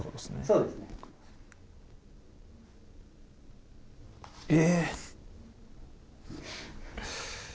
そうですね。え？